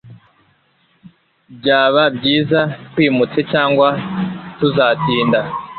Byaba byiza twimutse cyangwa tuzatinda.